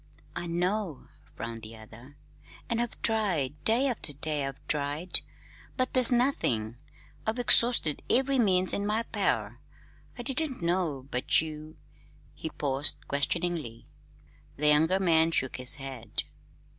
"I know," frowned the other; "and I've tried day after day I've tried. But there's nothing. I've exhausted every means in my power. I didn't know but you " He paused questioningly. The younger man shook his head.